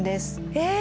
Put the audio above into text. えっ！